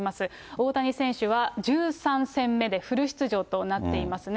大谷選手は、１３戦目でフル出場となっていますね。